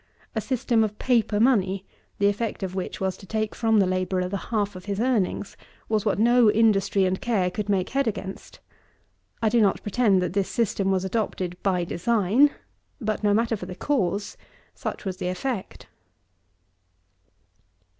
A system of paper money, the effect of which was to take from the labourer the half of his earnings, was what no industry and care could make head against. I do not pretend that this system was adopted by design. But, no matter for the cause; such was the effect.